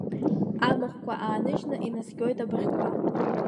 Амахәқәа ааныжьны инаскьоит абыӷьқәа.